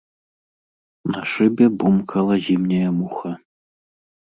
На шыбе бумкала зімняя муха.